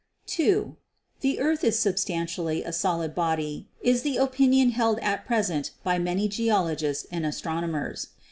"(2) That the earth is substantially a solid body is the opinion held at present by many geologists and astrono mers.